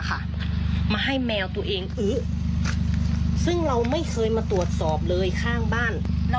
เอาทรายบ้านเข้าไปทรายที่เหลือ